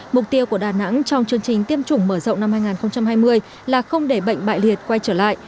mục tiêu của đà nẵng trong chương trình tiêm chủng mở rộng năm hai nghìn hai mươi là không để bệnh bại liệt quay trở lại